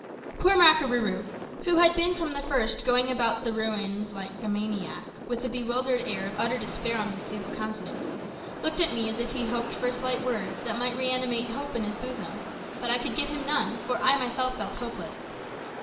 Poor Makarooroo, who had been from the first going about among the ruins like a maniac, with a bewildered air of utter despair on his sable countenance, looked at me as if he hoped for a slight word that might reanimate hope in his bosom. But I could give him none, for I myself felt hopeless.